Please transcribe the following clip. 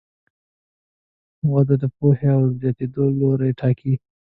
وده د پوهې د زیاتېدو لوری ټاکي.